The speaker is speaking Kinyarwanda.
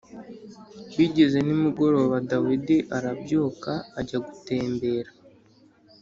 Bigeze nimugoroba dawidi arabyuka ajya gutembera